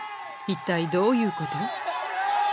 一体どういうこと？